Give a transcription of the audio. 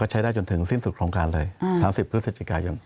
ใช้ได้จนถึงสิ้นสุดโครงการเลย๓๐พฤศจิกายน